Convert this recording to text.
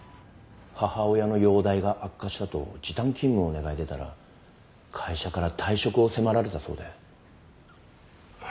母親の容体が悪化したと時短勤務を願い出たら会社から退職を迫られたそうで。